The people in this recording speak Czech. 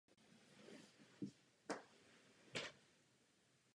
Kalich je zvonkovitý nebo trubkovitý.